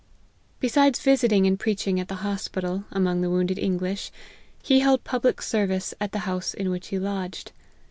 Besides visiting and preaching at the hospital, among the wounded English, he held public ser vice at the house in which he lodged.